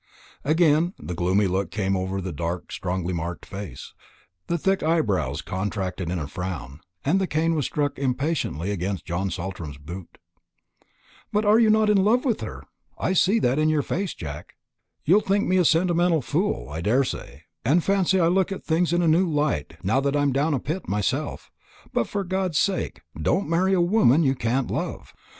Again the gloomy look came over the dark strongly marked face, the thick black eyebrows contracted in a frown, and the cane was struck impatiently against John Saltram's boot. "But you are not in love with her; I see that in your face, Jack. You'll think me a sentimental fool, I daresay, and fancy I look at things in a new light now that I'm down a pit myself; but, for God's sake, don't marry a woman you can't love.